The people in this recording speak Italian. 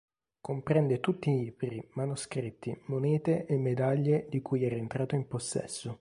Comprende tutti i libri, manoscritti, monete e medaglie di cui era entrato in possesso.